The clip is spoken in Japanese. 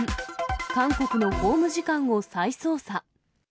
韓国の法務次官を再捜査。